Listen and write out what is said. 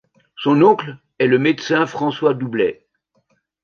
Son oncle est le médecin François Doublet.